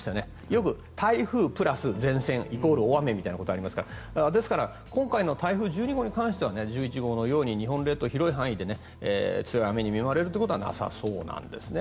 よく台風プラス前線イコール大雨みたいなことがありますがですから今回の台風１２号に関しては１１号のように日本列島広い範囲で強い雨に見舞われることはなさそうなんですね。